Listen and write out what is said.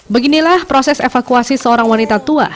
beginilah proses evakuasi seorang wanita tua